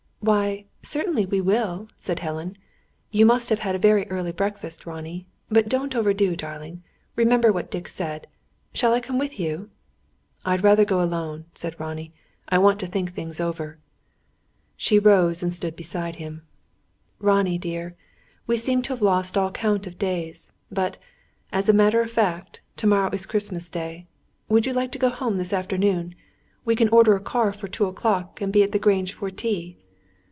"Why, certainly we will," said Helen. "You must have had a very early breakfast, Ronnie. But don't overdo, darling. Remember what Dick said. Shall I come with you?" "I would rather go alone," said Ronnie. "I want to think things over." She rose and stood beside him. "Ronnie dear, we seem to have lost all count of days. But, as a matter of fact, to morrow is Christmas Day. Would you like to go home this afternoon? We can order a car for two o'clock, and be at the Grange for tea.